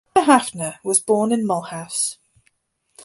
Pierre Haffner was born in Mulhouse.